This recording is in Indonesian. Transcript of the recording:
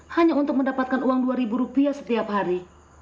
hanya untuk mendapatkan uang dua ribu rupiah setiap hari